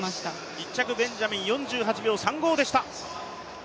１着ベンジャミン４８秒３５でした。